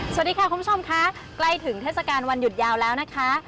สวัสดีค่ะคุณผู้ชมค่ะใกล้ถึงเทศกาลวันหยุดยาวแล้วนะคะ